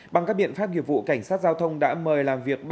bằng các biện pháp nghiệp vụ cảnh sát giao thông đã mời làm việc